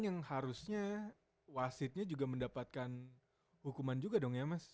yang harusnya wasitnya juga mendapatkan hukuman juga dong ya mas